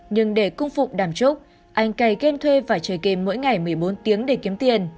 nhưng để cung phụng đàm trúc anh cày game thuê phải chơi game mỗi ngày một mươi bốn tiếng để kiếm tiền